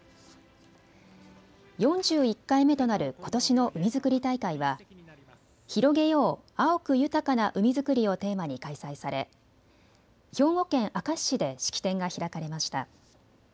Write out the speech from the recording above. ４１回目となることしの海づくり大会は広げよう碧く豊かな海づくりをテーマに開催され、兵庫県明石市で式典が開かれました。